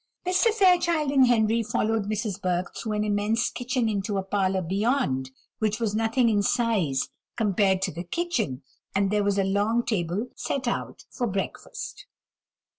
Mr. Fairchild and Henry followed Mrs. Burke through an immense kitchen into a parlour beyond, which was nothing in size compared to the kitchen; and there was a long table set out for breakfast.